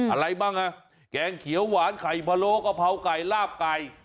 อะไรบ้างอ่ะแกงเขียวหวานไข่พะโลกะเพราไก่ลาบไก่